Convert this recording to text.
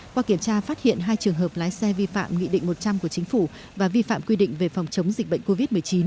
qua kiểm tra phát hiện hai trường hợp lái xe vi phạm nghị định một trăm linh của chính phủ và vi phạm quy định về phòng chống dịch bệnh covid một mươi chín